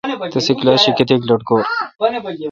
تسے°کلاس شی کتیک لٹکور۔